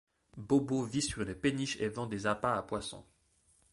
Bobo vit sur une péniche et vend des appâts à poissons.